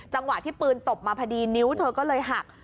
จังหวะที่ปืนตบมาพอดีนิ้วเธอก็เลยหัก